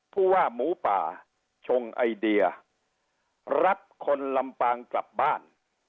ผู้ว่าหมูป่าชงไอเดียรับคนลำปางกลับบ้าน